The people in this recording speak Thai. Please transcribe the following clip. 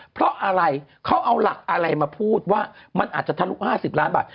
เพราะอะไรเขาเอาหลักอะไรมาพูดว่ามันอาจจะทะลุ๕๐ล้านบาท